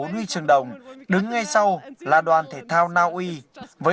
bốn huy chương đồng đứng ngay sau là đoàn thể thao naui với